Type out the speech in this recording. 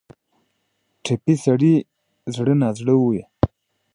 ټپي سړی زړه نا زړه وي.